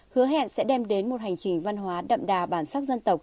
hứa hẹn sẽ đem đến một hành trình văn hóa đậm đà bản sắc dân tộc